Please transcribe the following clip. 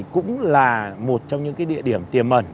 cũng là một trong những địa điểm tiềm mẩn